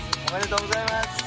おめでとうございます。